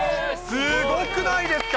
すごくないですか？